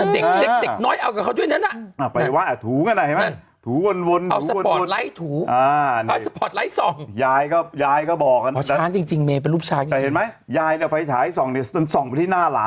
เด็กน้อยเอากับเขาด้วยนั้นน่ะ